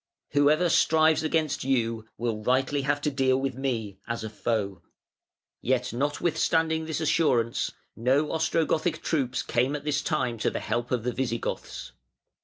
Whoever strives against you will rightly have to deal with me, as a foe". Yet notwithstanding this assurance, no Ostrogothic troops came at this time to the help of the Visigoths.